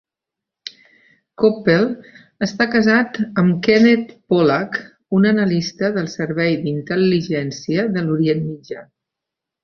Koppel està casat amb Kenneth Pollack, un analista del servei d'intel·ligència de l'Orient Mitjà.